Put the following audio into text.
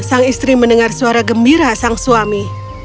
sang istri mendengar suara gembira sang suami